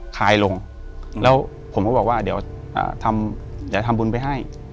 คลายลงแล้วผมก็บอกว่าเดี๋ยวอ่าทำเดี๋ยวทำบุญไปให้